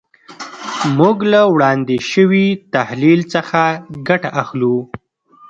موږ له وړاندې شوي تحلیل څخه ګټه اخلو.